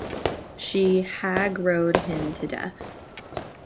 She "hag-rode" him to death.